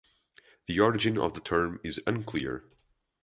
The origin of the term is unclear.